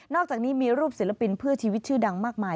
อกจากนี้มีรูปศิลปินเพื่อชีวิตชื่อดังมากมาย